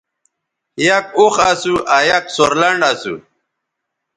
یک اوخ اسو آ یک سورلنڈ اسو